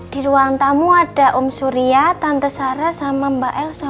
di ruang tamu ada om surya tante sarah sama mbak elsa